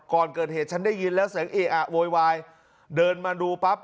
ก่อนเกิดเหตุฉันได้ยินแล้วเสียงเออะโวยวายเดินมาดูปั๊บ